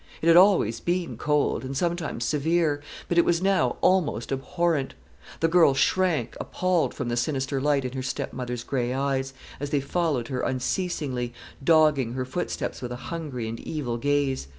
It had always been cold, and sometimes severe; but it was now almost abhorrent. The girl shrank appalled from the sinister light in her stepmother's gray eyes, as they followed her unceasingly, dogging her footsteps with a hungry and evil gaze.